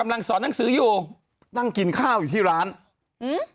กำลังสอนหนังสืออยู่นั่งกินข้าวอยู่ที่ร้านอืม